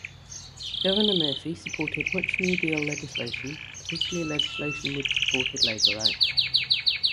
Governor Murphy supported much New Deal legislation, particularly legislation which supported labor rights.